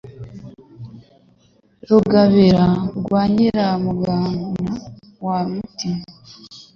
Rugabira rwa Nyiramugana wa Mutima